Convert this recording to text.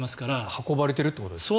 運ばれているということですよね。